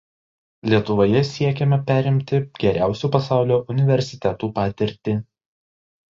Lietuvoje siekiama perimti geriausių pasaulio universitetų patirtį.